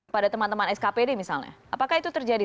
pada teman teman skpd misalnya apakah itu terjadi